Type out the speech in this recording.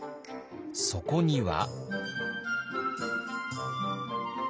そこには。